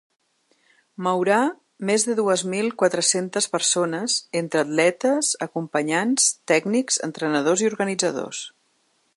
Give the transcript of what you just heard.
Mourà més de dues mil quatre-centes persones, entre atletes, acompanyants, tècnics, entrenadors i organitzadors.